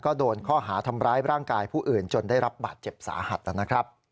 ก็โดนข้อหาทำร้ายร่างกายผู้อื่นจนได้รับบาดเจ็บสาหัสนะครับ